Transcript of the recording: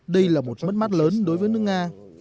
đây là một mất mát lớn đối với nước nga